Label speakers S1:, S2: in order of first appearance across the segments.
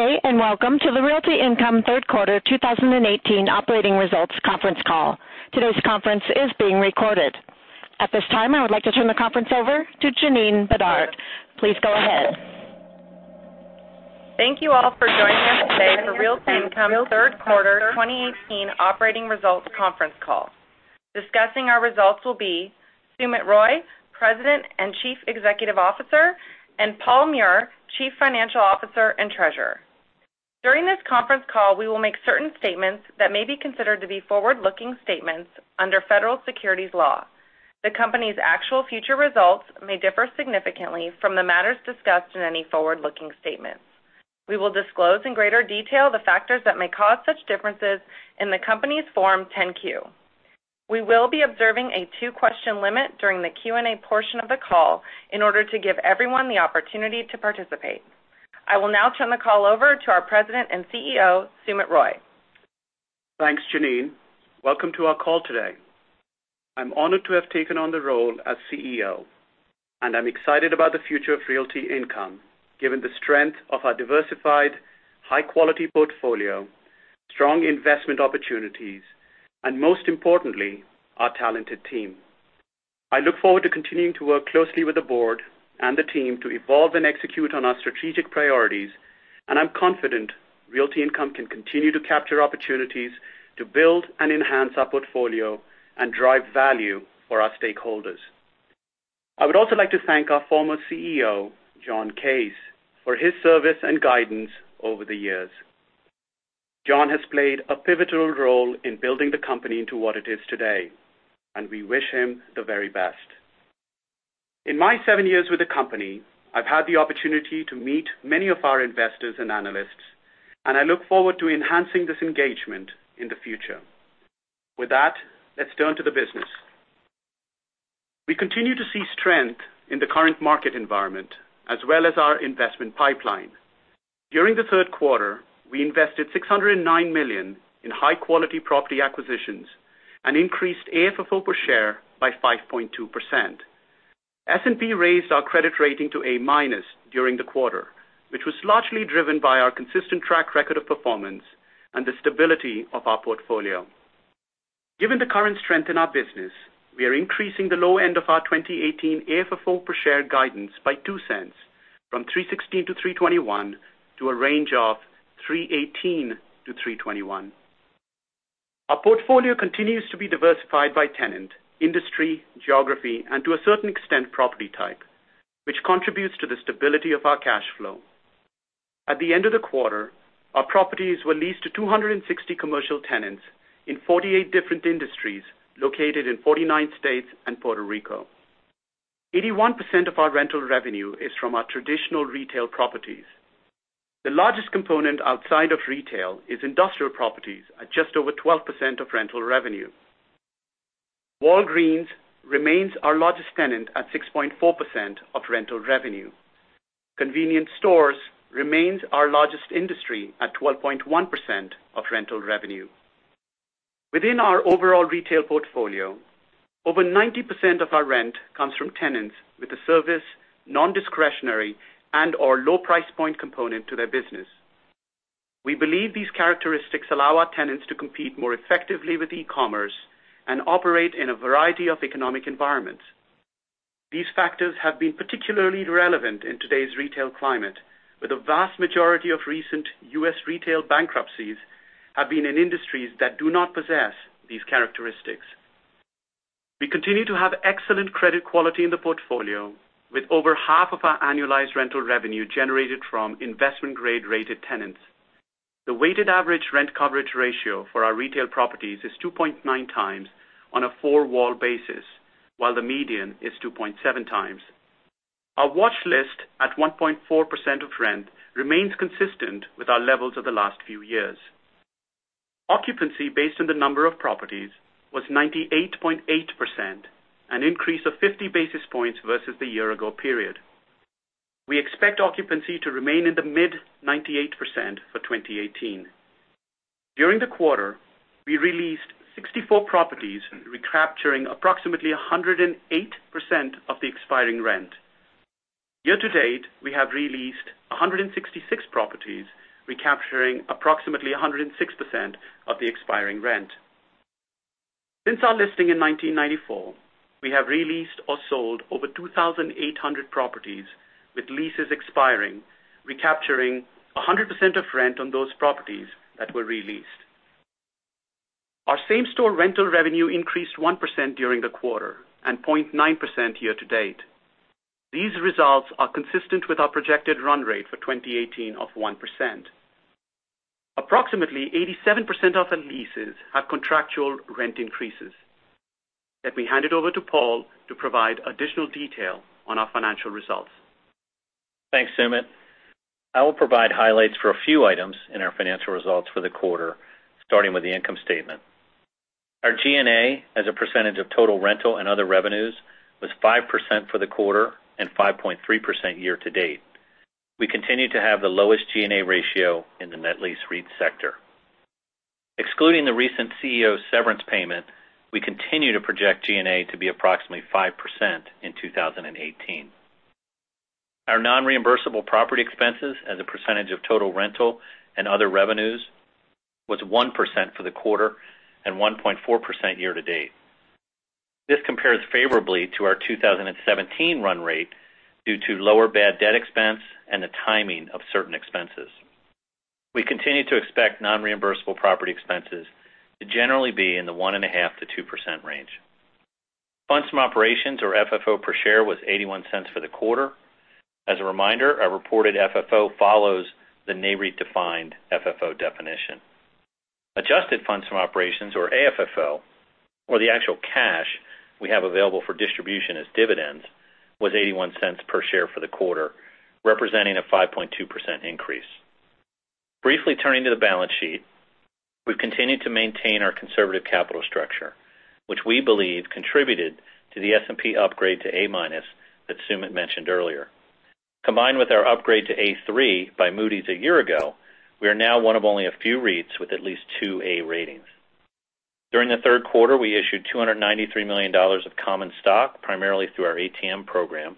S1: Good day, welcome to the Realty Income Third Quarter 2018 operating results conference call. Today's conference is being recorded. At this time, I would like to turn the conference over to Janine Bedard. Please go ahead.
S2: Thank you all for joining us today for Realty Income third quarter 2018 operating results conference call. Discussing our results will be Sumit Roy, President and Chief Executive Officer, and Paul Meurer, Chief Financial Officer and Treasurer. During this conference call, we will make certain statements that may be considered to be forward-looking statements under federal securities law. The company's actual future results may differ significantly from the matters discussed in any forward-looking statements. We will disclose in greater detail the factors that may cause such differences in the company's Form 10-Q. We will be observing a two-question limit during the Q&A portion of the call in order to give everyone the opportunity to participate. I will now turn the call over to our President and CEO, Sumit Roy.
S3: Thanks, Janine. Welcome to our call today. I'm honored to have taken on the role as CEO, and I'm excited about the future of Realty Income, given the strength of our diversified, high-quality portfolio, strong investment opportunities, and most importantly, our talented team. I look forward to continuing to work closely with the board and the team to evolve and execute on our strategic priorities, and I'm confident Realty Income can continue to capture opportunities to build and enhance our portfolio and drive value for our stakeholders. I would also like to thank our former CEO, John Case, for his service and guidance over the years. John has played a pivotal role in building the company into what it is today, and we wish him the very best. In my seven years with the company, I've had the opportunity to meet many of our investors and analysts, and I look forward to enhancing this engagement in the future. With that, let's turn to the business. We continue to see strength in the current market environment, as well as our investment pipeline. During the third quarter, we invested $609 million in high-quality property acquisitions and increased AFFO per share by 5.2%. S&P raised our credit rating to A-minus during the quarter, which was largely driven by our consistent track record of performance and the stability of our portfolio. Given the current strength in our business, we are increasing the low end of our 2018 AFFO per share guidance by $0.02, from $3.16-$3.21 to a range of $3.18$3.21. Our portfolio continues to be diversified by tenant, industry, geography, and to a certain extent, property type, which contributes to the stability of our cash flow. At the end of the quarter, our properties were leased to 260 commercial tenants in 48 different industries, located in 49 states and Puerto Rico. 81% of our rental revenue is from our traditional retail properties. The largest component outside of retail is industrial properties at just over 12% of rental revenue. Walgreens remains our largest tenant at 6.4% of rental revenue. Convenience stores remains our largest industry at 12.1% of rental revenue. Within our overall retail portfolio, over 90% of our rent comes from tenants with a service, non-discretionary, and/or low price point component to their business. We believe these characteristics allow our tenants to compete more effectively with e-commerce and operate in a variety of economic environments. These factors have been particularly relevant in today's retail climate, with a vast majority of recent U.S. retail bankruptcies have been in industries that do not possess these characteristics. We continue to have excellent credit quality in the portfolio, with over half of our annualized rental revenue generated from investment-grade-rated tenants. The weighted average rent coverage ratio for our retail properties is 2.9 times on a four-wall basis, while the median is 2.7 times. Our watch list at 1.4% of rent remains consistent with our levels of the last few years. Occupancy based on the number of properties was 98.8%, an increase of 50 basis points versus the year-ago period. We expect occupancy to remain in the mid-98% for 2018. During the quarter, we re-leased 64 properties, recapturing approximately 108% of the expiring rent. Year-to-date, we have re-leased 166 properties, recapturing approximately 106% of the expiring rent. Since our listing in 1994, we have re-leased or sold over 2,800 properties with leases expiring, recapturing 100% of rent on those properties that were re-leased. Our same-store rental revenue increased 1% during the quarter and 0.9% year-to-date. These results are consistent with our projected run rate for 2018 of 1%. Approximately 87% of the leases have contractual rent increases. Let me hand it over to Paul to provide additional detail on our financial results.
S4: Thanks, Sumit. I will provide highlights for a few items in our financial results for the quarter, starting with the income statement. Our G&A as a percentage of total rental and other revenues was 5% for the quarter and 5.3% year-to-date. We continue to have the lowest G&A ratio in the net lease REIT sector. Excluding the recent CEO severance payment, we continue to project G&A to be approximately 5% in 2018. Our non-reimbursable property expenses as a percentage of total rental and other revenues was 1% for the quarter, and 1.4% year-to-date. This compares favorably to our 2017 run rate due to lower bad debt expense and the timing of certain expenses. We continue to expect non-reimbursable property expenses to generally be in the 1.5%-2% range. Funds from operations or FFO per share was $0.81 for the quarter. As a reminder, our reported FFO follows the Nareit-defined FFO definition. Adjusted funds from operations, or AFFO, or the actual cash we have available for distribution as dividends, was $0.81 per share for the quarter, representing a 5.2% increase. Briefly turning to the balance sheet. We've continued to maintain our conservative capital structure, which we believe contributed to the S&P upgrade to A-minus that Sumit mentioned earlier. Combined with our upgrade to A3 by Moody's a year ago, we are now one of only a few REITs with at least two A ratings. During the third quarter, we issued $293 million of common stock, primarily through our ATM program.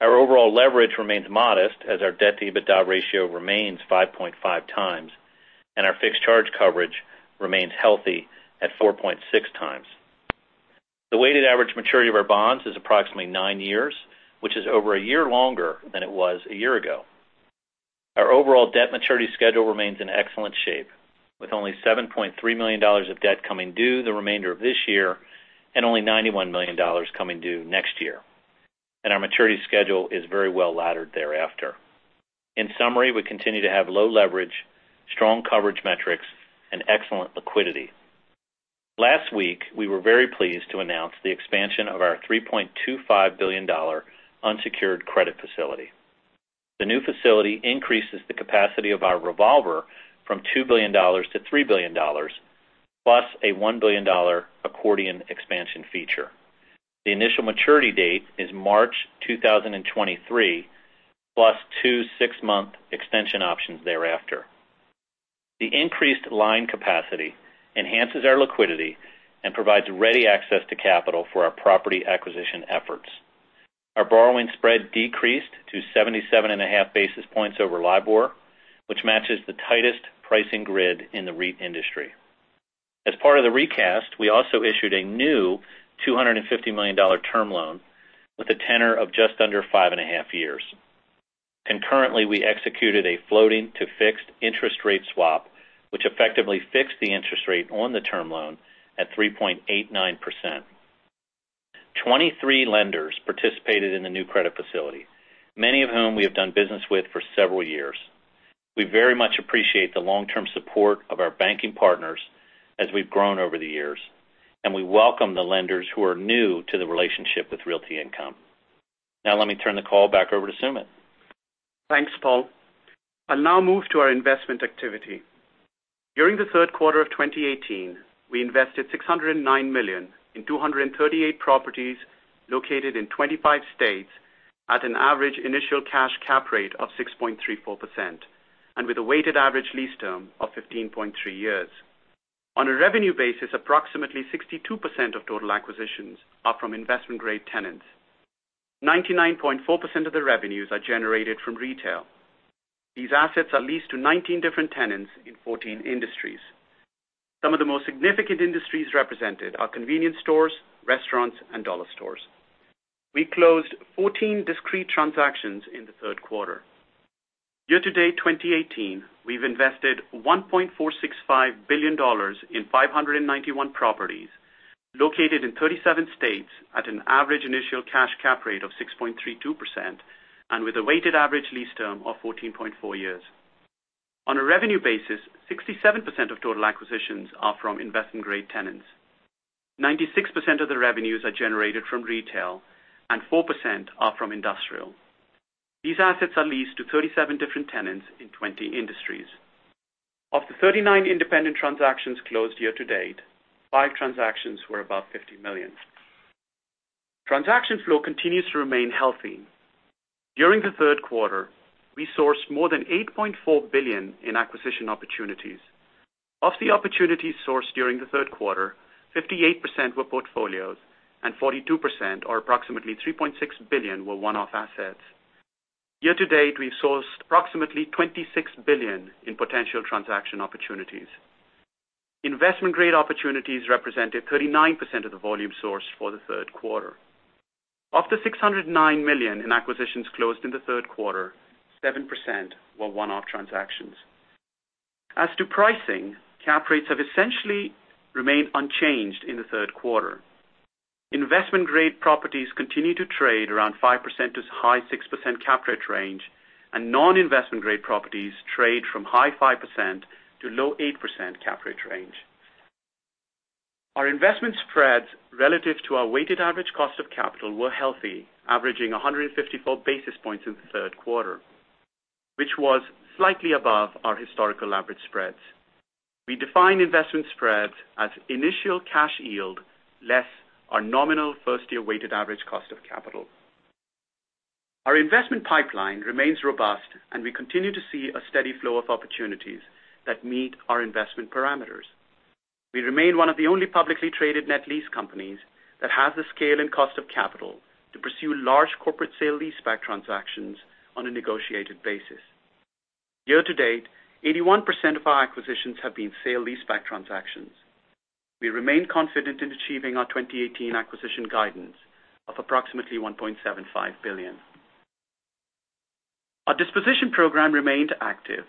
S4: Our overall leverage remains modest as our debt-to-EBITDA ratio remains 5.5 times, and our fixed charge coverage remains healthy at 4.6 times. The weighted average maturity of our bonds is approximately nine years, which is over a year longer than it was a year ago. Our overall debt maturity schedule remains in excellent shape, with only $7.3 million of debt coming due the remainder of this year, and only $91 million coming due next year. Our maturity schedule is very well laddered thereafter. In summary, we continue to have low leverage, strong coverage metrics, and excellent liquidity. Last week, we were very pleased to announce the expansion of our $3.25 billion unsecured credit facility. The new facility increases the capacity of our revolver from $2 billion-$3 billion, plus a $1 billion accordion expansion feature. The initial maturity date is March 2023, plus two six-month extension options thereafter. The increased line capacity enhances our liquidity and provides ready access to capital for our property acquisition efforts. Our borrowing spread decreased to 77.5 basis points over LIBOR, which matches the tightest pricing grid in the REIT industry. As part of the recast, we also issued a new $250 million term loan with a tenor of just under five and a half years. Concurrently, we executed a floating-to-fixed interest rate swap, which effectively fixed the interest rate on the term loan at 3.89%. 23 lenders participated in the new credit facility, many of whom we have done business with for several years. We very much appreciate the long-term support of our banking partners as we've grown over the years, and we welcome the lenders who are new to the relationship with Realty Income. Let me turn the call back over to Sumit.
S3: Thanks, Paul. I'll now move to our investment activity. During the third quarter of 2018, we invested $609 million in 238 properties located in 25 states at an average initial cash cap rate of 6.34%, and with a weighted average lease term of 15.3 years. On a revenue basis, approximately 62% of total acquisitions are from investment-grade tenants. 99.4% of the revenues are generated from retail. These assets are leased to 19 different tenants in 14 industries. Some of the most significant industries represented are convenience stores, restaurants, and dollar stores. We closed 14 discrete transactions in the third quarter. Year-to-date 2018, we've invested $1.465 billion in 591 properties located in 37 states at an average initial cash cap rate of 6.32%, and with a weighted average lease term of 14.4 years. On a revenue basis, 67% of total acquisitions are from investment-grade tenants. 96% of the revenues are generated from retail and 4% are from industrial. These assets are leased to 37 different tenants in 20 industries. Of the 39 independent transactions closed year-to-date, five transactions were above $50 million. Transaction flow continues to remain healthy. During the third quarter, we sourced more than $8.4 billion in acquisition opportunities. Of the opportunities sourced during the third quarter, 58% were portfolios and 42%, or approximately $3.6 billion, were one-off assets. Year-to-date, we've sourced approximately $26 billion in potential transaction opportunities. Investment-grade opportunities represented 39% of the volume sourced for the third quarter. Of the $609 million in acquisitions closed in the third quarter, 7% were one-off transactions. As to pricing, cap rates have essentially remained unchanged in the third quarter. Investment-grade properties continue to trade around 5%-6% cap rate range, and non-investment-grade properties trade from high 5% to low 8% cap rate range. Our investment spreads relative to our weighted average cost of capital were healthy, averaging 154 basis points in the third quarter, which was slightly above our historical average spreads. We define investment spreads as initial cash yield less our nominal first-year weighted average cost of capital. Our investment pipeline remains robust, and we continue to see a steady flow of opportunities that meet our investment parameters. We remain one of the only publicly traded net lease companies that has the scale and cost of capital to pursue large corporate sale leaseback transactions on a negotiated basis. Year-to-date, 81% of our acquisitions have been sale leaseback transactions. We remain confident in achieving our 2018 acquisition guidance of approximately $1.75 billion. Our disposition program remained active.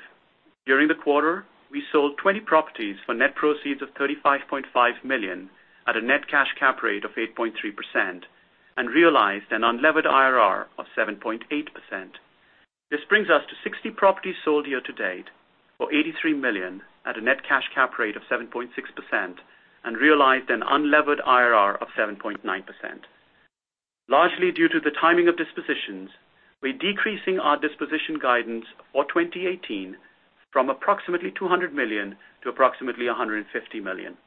S3: During the quarter, we sold 20 properties for net proceeds of $35.5 million at a net cash cap rate of 8.3% and realized an unlevered IRR of 7.8%. This brings us to 60 properties sold year-to-date for $83 million at a net cash cap rate of 7.6% and realized an unlevered IRR of 7.9%. Largely due to the timing of dispositions, we're decreasing our disposition guidance for 2018 from approximately $200 million to approximately $150 million.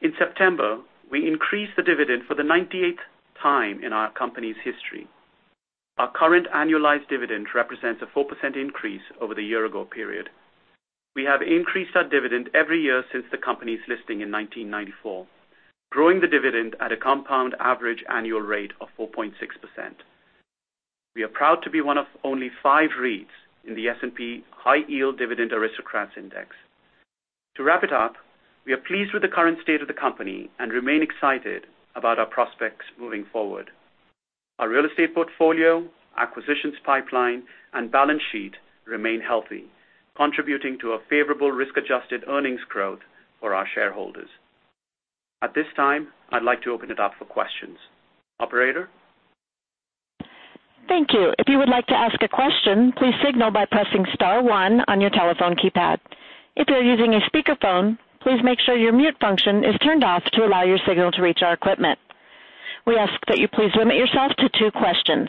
S3: In September, we increased the dividend for the 98th time in our company's history. Our current annualized dividend represents a 4% increase over the year-ago period. We have increased our dividend every year since the company's listing in 1994, growing the dividend at a compound average annual rate of 4.6%. We are proud to be one of only five REITs in the S&P High Yield Dividend Aristocrats Index. To wrap it up, we are pleased with the current state of the company and remain excited about our prospects moving forward. Our real estate portfolio, acquisitions pipeline, and balance sheet remain healthy, contributing to a favorable risk-adjusted earnings growth for our shareholders. At this time, I'd like to open it up for questions. Operator?
S1: Thank you. If you would like to ask a question, please signal by pressing star one on your telephone keypad. If you're using a speakerphone, please make sure your mute function is turned off to allow your signal to reach our equipment. We ask that you please limit yourself to two questions.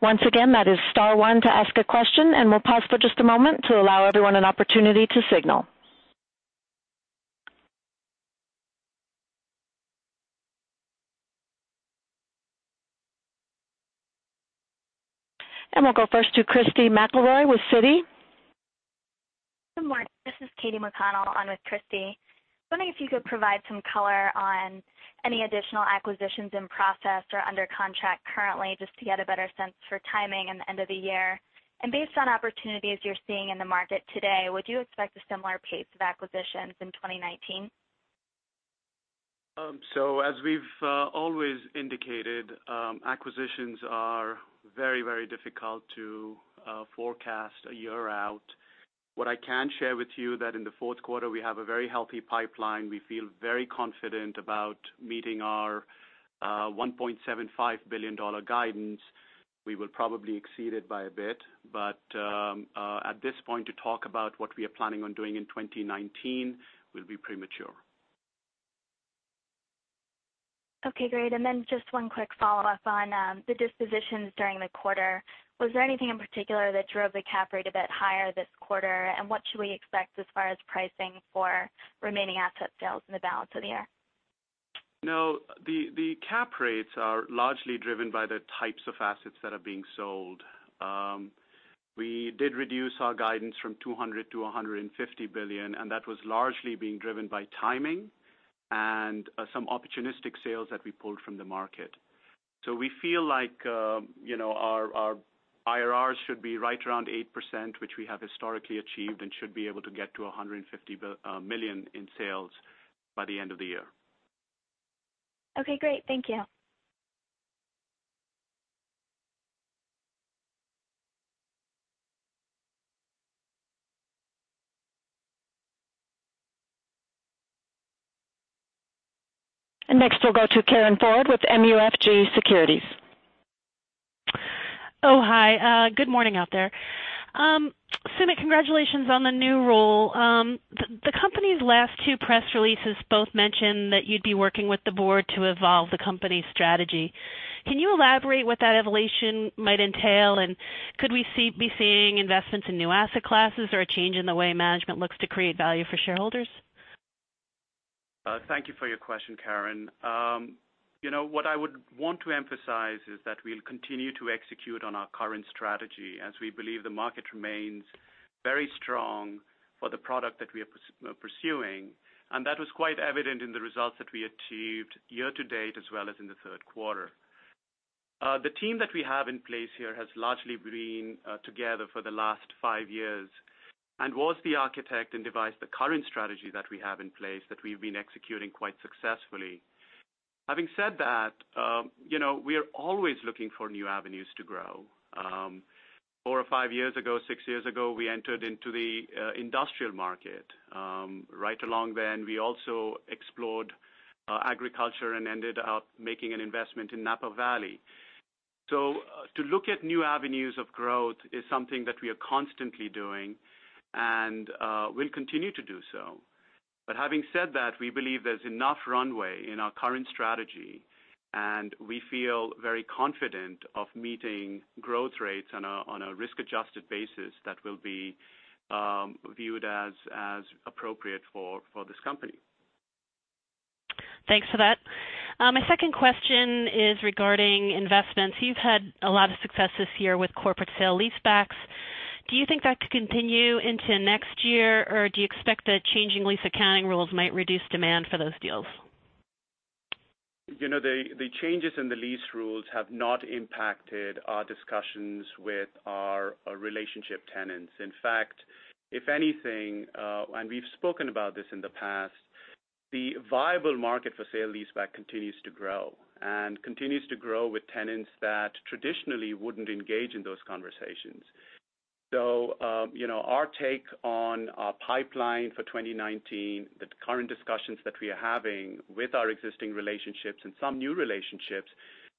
S1: Once again, that is star one to ask a question, and we'll pause for just a moment to allow everyone an opportunity to signal. We'll go first to Christy McElroy with Citi.
S5: Good morning. This is Katie McConnell on with Christy. Wondering if you could provide some color on any additional acquisitions in process or under contract currently, just to get a better sense for timing in the end of the year. Based on opportunities you're seeing in the market today, would you expect a similar pace of acquisitions in 2019?
S3: As we've always indicated, acquisitions are very difficult to forecast a year out. What I can share with you that in the fourth quarter, we have a very healthy pipeline. We feel very confident about meeting our $1.75 billion guidance. We will probably exceed it by a bit, at this point, to talk about what we are planning on doing in 2019 will be premature.
S5: Okay, great. Then just one quick follow-up on the dispositions during the quarter. Was there anything in particular that drove the cap rate a bit higher this quarter? What should we expect as far as pricing for remaining asset sales in the balance of the year?
S3: No, the cap rates are largely driven by the types of assets that are being sold. We did reduce our guidance from $200 billion to $150 billion, that was largely being driven by timing and some opportunistic sales that we pulled from the market. We feel like our IRRs should be right around 8%, which we have historically achieved and should be able to get to $150 million in sales by the end of the year.
S5: Okay, great. Thank you.
S1: Next, we'll go to Karin Ford with MUFG Securities.
S6: Oh, hi. Good morning out there. Sumit, congratulations on the new role. The company's last two press releases both mentioned that you'd be working with the board to evolve the company's strategy. Can you elaborate what that evolution might entail? Could we be seeing investments in new asset classes or a change in the way management looks to create value for shareholders?
S3: Thank you for your question, Karen. What I would want to emphasize is that we'll continue to execute on our current strategy as we believe the market remains very strong for the product that we are pursuing. That was quite evident in the results that we achieved year to date as well as in the third quarter. The team that we have in place here has largely been together for the last five years and was the architect and devised the current strategy that we have in place that we've been executing quite successfully. Having said that, we are always looking for new avenues to grow. Four or five years ago, six years ago, we entered into the industrial market. Right along then, we also explored agriculture and ended up making an investment in Napa Valley. To look at new avenues of growth is something that we are constantly doing, and we'll continue to do so. Having said that, we believe there's enough runway in our current strategy, and we feel very confident of meeting growth rates on a risk-adjusted basis that will be viewed as appropriate for this company.
S6: Thanks for that. My second question is regarding investments. You've had a lot of success this year with corporate sale leasebacks. Do you think that could continue into next year, or do you expect that changing lease accounting rules might reduce demand for those deals?
S3: The changes in the lease rules have not impacted our discussions with our relationship tenants. In fact, if anything, and we've spoken about this in the past, the viable market for sale-leaseback continues to grow, and continues to grow with tenants that traditionally wouldn't engage in those conversations. Our take on our pipeline for 2019, the current discussions that we are having with our existing relationships and some new relationships,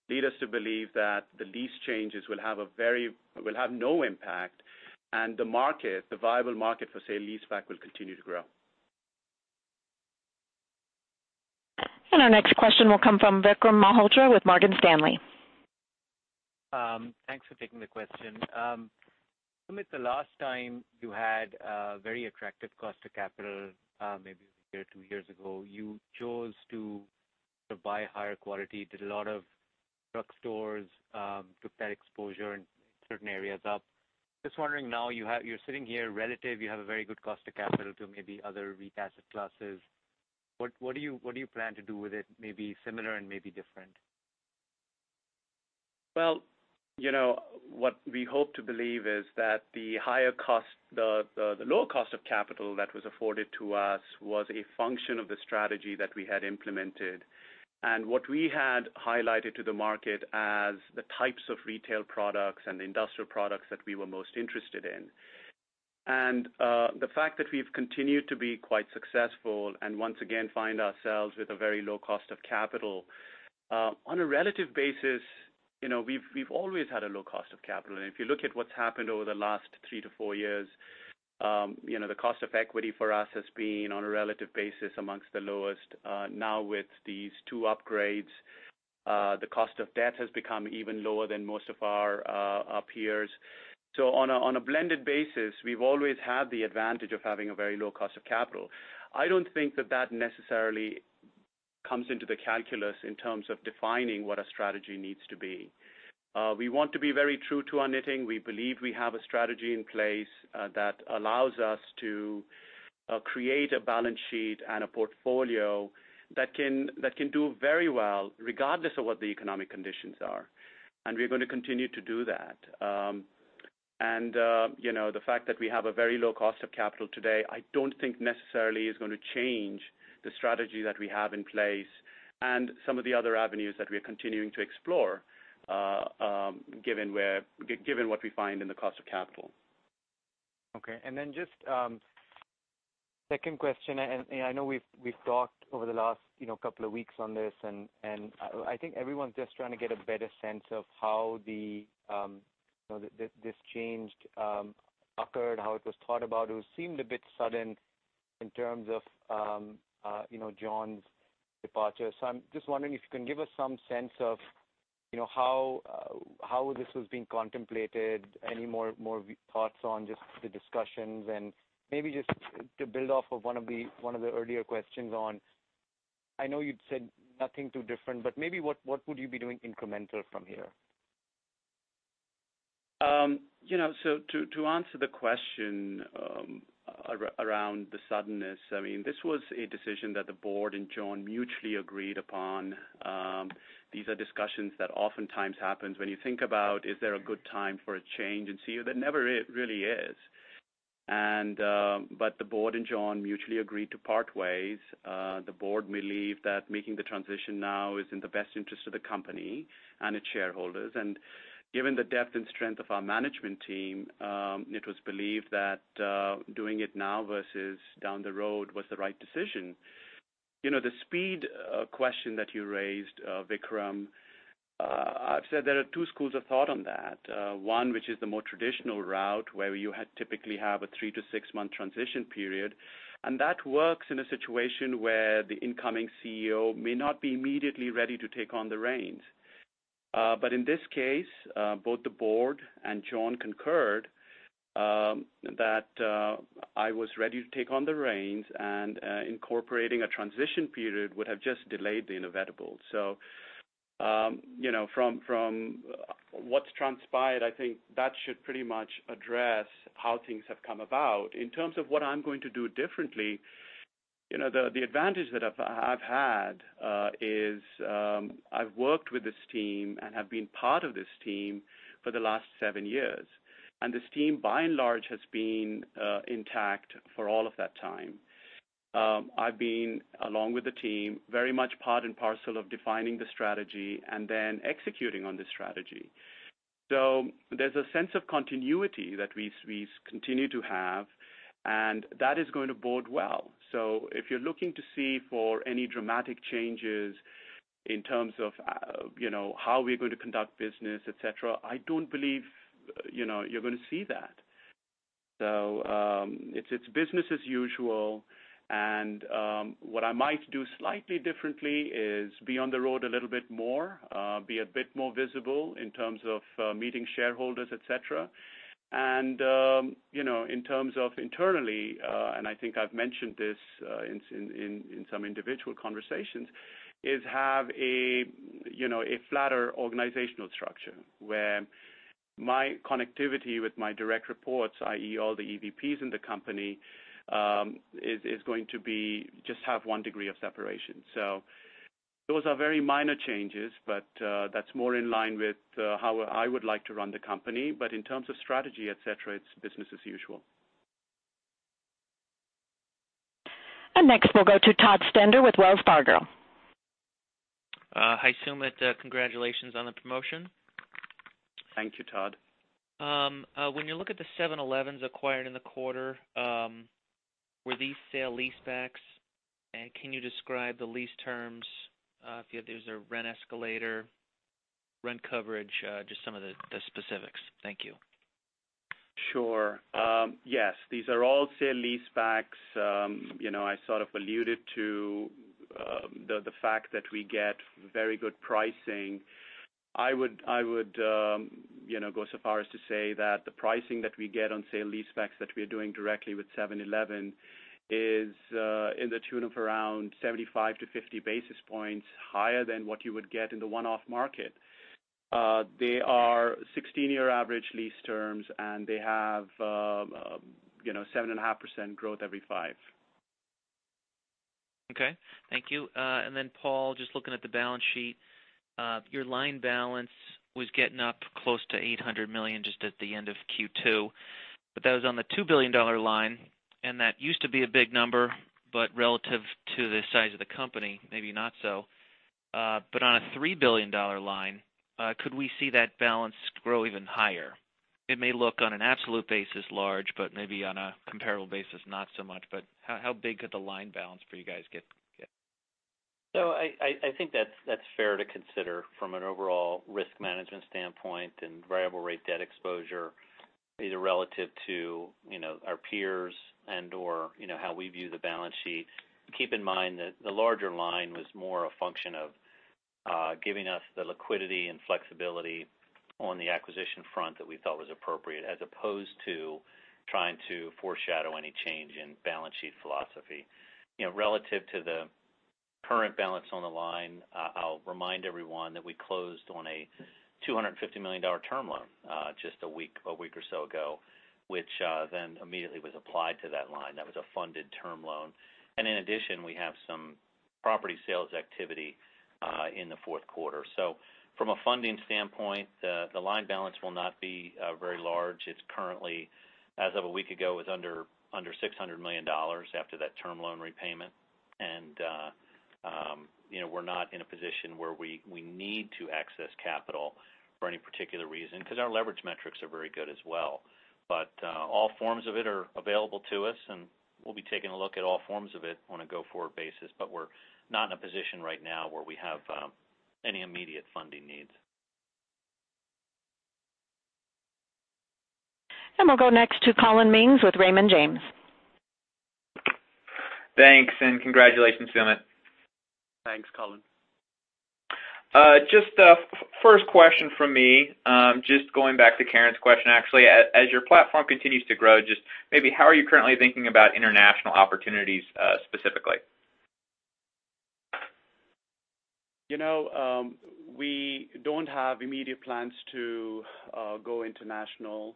S3: lead us to believe that the lease changes will have no impact, and the viable market for sale-leaseback will continue to grow.
S1: Our next question will come from Vikram Malhotra with Morgan Stanley.
S7: Thanks for taking the question. Sumit, the last time you had a very attractive cost to capital, maybe a year, two years ago, you chose to buy higher quality, did a lot of drugstores, took that exposure in certain areas up. Just wondering now, you're sitting here relative, you have a very good cost of capital to maybe other REIT asset classes. What do you plan to do with it? Maybe similar and maybe different.
S3: Well, what we hope to believe is that the lower cost of capital that was afforded to us was a function of the strategy that we had implemented. What we had highlighted to the market as the types of retail products and industrial products that we were most interested in. The fact that we've continued to be quite successful, and once again, find ourselves with a very low cost of capital. On a relative basis, we've always had a low cost of capital. If you look at what's happened over the last three to four years, the cost of equity for us has been, on a relative basis, amongst the lowest. Now with these two upgrades, the cost of debt has become even lower than most of our peers. On a blended basis, we've always had the advantage of having a very low cost of capital. I don't think that that necessarily comes into the calculus in terms of defining what a strategy needs to be. We want to be very true to our knitting. We believe we have a strategy in place that allows us to create a balance sheet and a portfolio that can do very well regardless of what the economic conditions are. We're going to continue to do that. The fact that we have a very low cost of capital today, I don't think necessarily is going to change the strategy that we have in place and some of the other avenues that we are continuing to explore, given what we find in the cost of capital.
S7: Just second question, I know we've talked over the last couple of weeks on this, I think everyone's just trying to get a better sense of how this change occurred, how it was thought about. It seemed a bit sudden in terms of John's departure. I'm just wondering if you can give us some sense of how this was being contemplated, any more thoughts on just the discussions and maybe just to build off of one of the earlier questions on, I know you'd said nothing too different, but maybe what would you be doing incremental from here?
S3: To answer the question around the suddenness, this was a decision that the board and John mutually agreed upon. These are discussions that oftentimes happen. When you think about is there a good time for a change in CEO, there never really is. The board and John mutually agreed to part ways. The board believed that making the transition now is in the best interest of the company and its shareholders. Given the depth and strength of our management team, it was believed that doing it now versus down the road was the right decision. The speed question that you raised, Vikram, I'd say there are two schools of thought on that. One, which is the more traditional route, where you had typically have a three to six-month transition period. That works in a situation where the incoming CEO may not be immediately ready to take on the reins. In this case, both the board and John concurred, that I was ready to take on the reins, and incorporating a transition period would have just delayed the inevitable. From what's transpired, I think that should pretty much address how things have come about. In terms of what I'm going to do differently, the advantage that I've had is, I've worked with this team and have been part of this team for the last seven years. This team, by and large, has been intact for all of that time. I've been, along with the team, very much part and parcel of defining the strategy and then executing on the strategy. There's a sense of continuity that we continue to have, that is going to bode well. If you're looking to see for any dramatic changes in terms of how we're going to conduct business, et cetera, I don't believe you're going to see that. It's business as usual. What I might do slightly differently is be on the road a little bit more, be a bit more visible in terms of meeting shareholders, et cetera. In terms of internally, and I think I've mentioned this in some individual conversations, is have a flatter organizational structure where my connectivity with my direct reports, i.e., all the EVPs in the company, is going to just have one degree of separation. Those are very minor changes, but that's more in line with how I would like to run the company. In terms of strategy, et cetera, it's business as usual.
S1: Next, we'll go to Todd Stender with Wells Fargo.
S8: Hi, Sumit. Congratulations on the promotion.
S3: Thank you, Todd.
S8: When you look at the 7-Elevens acquired in the quarter, were these sale leasebacks? Can you describe the lease terms, if there's a rent escalator, rent coverage, just some of the specifics? Thank you.
S3: Sure. Yes, these are all sale leasebacks. I sort of alluded to the fact that we get very good pricing. I would go so far as to say that the pricing that we get on sale leasebacks that we are doing directly with 7-Eleven is in the tune of around 75-50 basis points higher than what you would get in the one-off market. They are 16-year average lease terms, and they have 7.5% growth every five.
S8: Okay. Thank you. Then Paul, just looking at the balance sheet. Your line balance was getting up close to $800 million just at the end of Q2, that was on the $2 billion line, and that used to be a big number, relative to the size of the company, maybe not so. On a $3 billion line, could we see that balance grow even higher? It may look on an absolute basis large, but maybe on a comparable basis, not so much. How big could the line balance for you guys get?
S4: I think that's fair to consider from an overall risk management standpoint and variable rate debt exposure, either relative to our peers and/or how we view the balance sheet. Keep in mind that the larger line was more a function of giving us the liquidity and flexibility on the acquisition front that we felt was appropriate, as opposed to trying to foreshadow any change in balance sheet philosophy. Relative to the current balance on the line, I'll remind everyone that we closed on a $250 million term loan just a week or so ago, which immediately was applied to that line. That was a funded term loan. In addition, we have some property sales activity in the fourth quarter. From a funding standpoint, the line balance will not be very large. It's currently, as of a week ago, was under $600 million after that term loan repayment. We're not in a position where we need to access capital for any particular reason, because our leverage metrics are very good as well. All forms of it are available to us, and we'll be taking a look at all forms of it on a go-forward basis. We're not in a position right now where we have any immediate funding needs.
S1: We'll go next to Collin Mings with Raymond James.
S9: Thanks, and congratulations, Sumit.
S3: Thanks, Collin.
S9: First question from me, going back to Karen's question, actually. As your platform continues to grow, maybe how are you currently thinking about international opportunities, specifically?
S3: We don't have immediate plans to go international.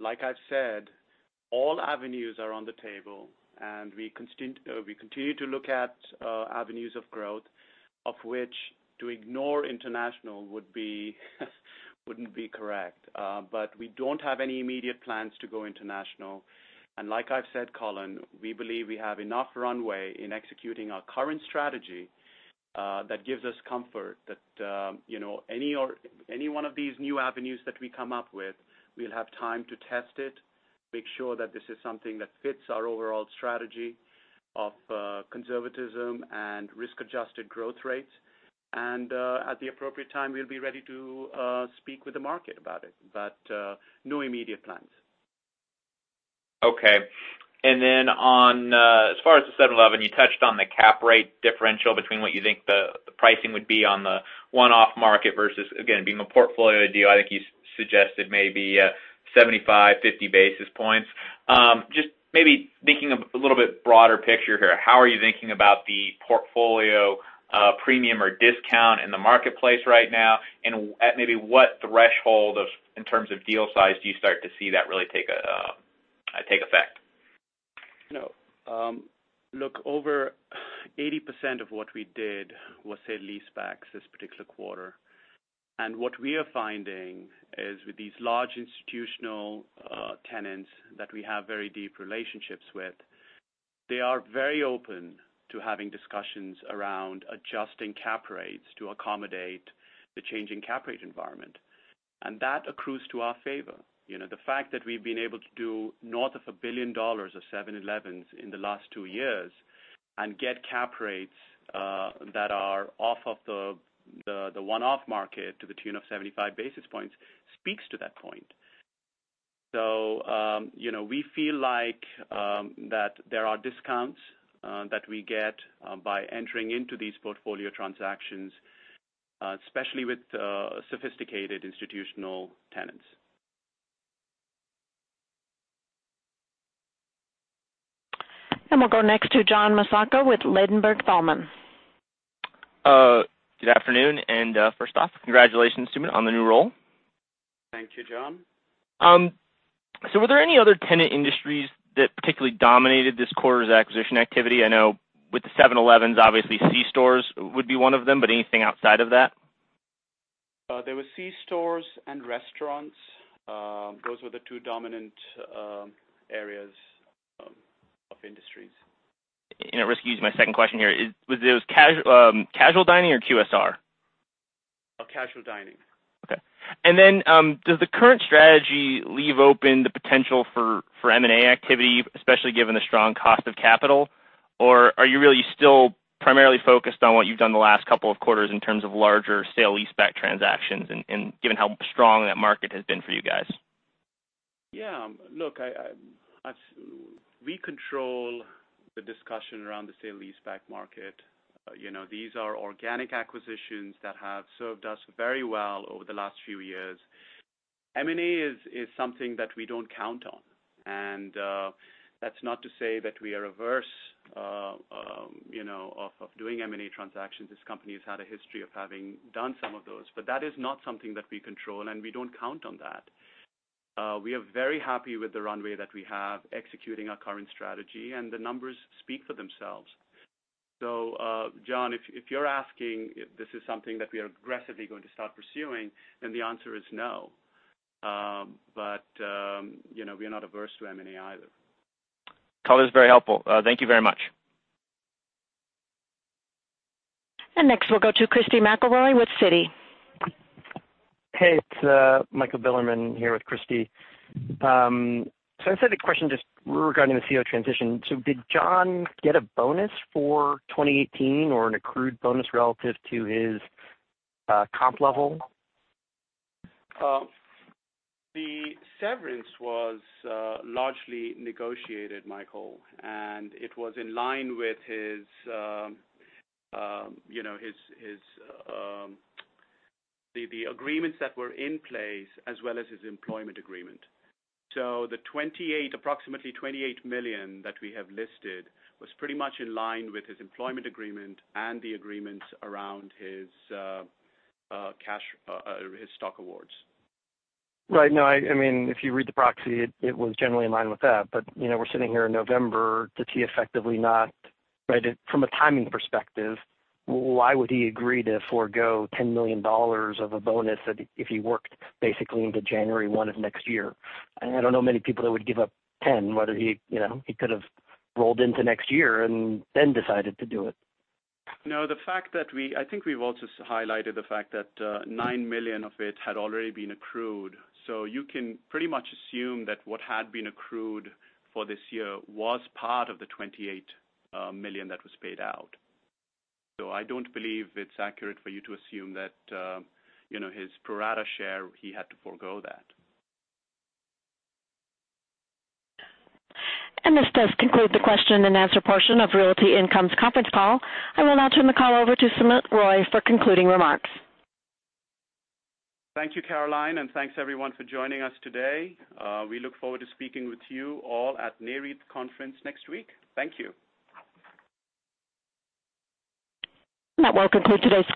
S3: Like I've said, all avenues are on the table, and we continue to look at avenues of growth, of which to ignore international wouldn't be correct. We don't have any immediate plans to go international. Like I've said, Collin, we believe we have enough runway in executing our current strategy that gives us comfort that any one of these new avenues that we come up with, we'll have time to test it, make sure that this is something that fits our overall strategy of conservatism and risk-adjusted growth rates. At the appropriate time, we'll be ready to speak with the market about it. No immediate plans.
S9: Okay. On, as far as the 7-Eleven, you touched on the cap rate differential between what you think the pricing would be on the one-off market versus, again, being a portfolio deal, I think you suggested maybe 75, 50 basis points. Maybe thinking of a little bit broader picture here, how are you thinking about the portfolio premium or discount in the marketplace right now? At maybe what threshold of, in terms of deal size, do you start to see that really take effect?
S3: Look, over 80% of what we did was sale leasebacks this particular quarter. What we are finding is with these large institutional tenants that we have very deep relationships with, they are very open to having discussions around adjusting cap rates to accommodate the changing cap rate environment. That accrues to our favor. The fact that we've been able to do north of $1 billion of 7-Elevens in the last two years and get cap rates that are off of the one-off market to the tune of 75 basis points speaks to that point. We feel like that there are discounts that we get by entering into these portfolio transactions, especially with sophisticated institutional tenants.
S1: We'll go next to John Massocca with Ladenburg Thalmann.
S10: Good afternoon, and first off, congratulations, Sumit, on the new role.
S3: Thank you, John.
S10: Were there any other tenant industries that particularly dominated this quarter's acquisition activity? I know with the 7-Elevens, obviously c-stores would be one of them, but anything outside of that?
S3: There were c-stores and restaurants. Those were the two dominant areas of industries.
S10: I risk using my second question here. Was those casual dining or QSR?
S3: Casual dining.
S10: Okay. Does the current strategy leave open the potential for M&A activity, especially given the strong cost of capital? Are you really still primarily focused on what you've done the last couple of quarters in terms of larger sale-leaseback transactions, given how strong that market has been for you guys?
S3: Yeah, look, we control the discussion around the sale-leaseback market. These are organic acquisitions that have served us very well over the last few years. M&A is something that we don't count on, and that's not to say that we are averse of doing M&A transactions. This company has had a history of having done some of those. That is not something that we control, and we don't count on that. We are very happy with the runway that we have executing our current strategy, and the numbers speak for themselves. John, if you're asking if this is something that we are aggressively going to start pursuing, then the answer is no. We're not averse to M&A either.
S10: Color is very helpful. Thank you very much.
S1: Next, we'll go to Christy McElroy with Citi.
S11: Hey, it's Michael Bilerman here with Christy. I just had a question just regarding the CEO transition. Did John get a bonus for 2018 or an accrued bonus relative to his comp level?
S3: The severance was largely negotiated, Michael, and it was in line with the agreements that were in place as well as his employment agreement. The approximately $28 million that we have listed was pretty much in line with his employment agreement and the agreements around his stock awards.
S11: Right. No, if you read the proxy, it was generally in line with that. We're sitting here in November. From a timing perspective, why would he agree to forgo $10 million of a bonus if he worked basically into January 1 of next year? I don't know many people that would give up $10 million, whether he could've rolled into next year and then decided to do it.
S3: No, I think we've also highlighted the fact that $9 million of it had already been accrued. You can pretty much assume that what had been accrued for this year was part of the $28 million that was paid out. I don't believe it's accurate for you to assume that his pro-rata share, he had to forgo that.
S1: This does conclude the question and answer portion of Realty Income's conference call. I will now turn the call over to Sumit Roy for concluding remarks.
S3: Thank you, Caroline, and thanks everyone for joining us today. We look forward to speaking with you all at Nareit conference next week. Thank you.
S1: That will conclude today's conference.